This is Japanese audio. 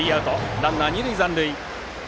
ランナーは二塁残塁。